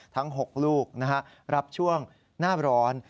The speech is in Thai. ทั้ง๖ลูกรับช่วงหน้าร้อน